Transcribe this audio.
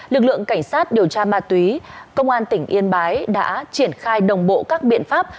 lực lượng cảnh sát điều tra ma túy công an tỉnh yên bái đã triển khai đồng bộ các biện pháp